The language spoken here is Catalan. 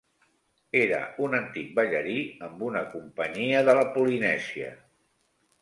Era un antic ballarí amb una companyia de la Polinèsia.